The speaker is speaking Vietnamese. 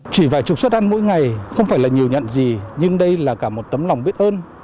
chỉ vài chục suất ăn mỗi ngày không phải là nhiều nhận gì nhưng đây là cả một tấm lòng biết ơn